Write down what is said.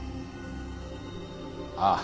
ああ